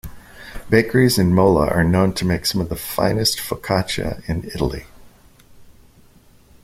Bakeries in Mola are known to make some of the finest focaccia in Italy.